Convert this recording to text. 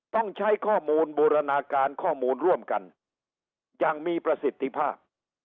ต้องใช้ข้อมูลบูรณาการข้อมูลร่วมกันอย่างมีประสิทธิภาพ